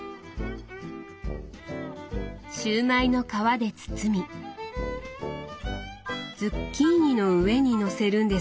シューマイの皮で包みズッキーニの上にのせるんですか？